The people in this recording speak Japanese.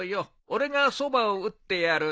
俺がそばを打ってやる。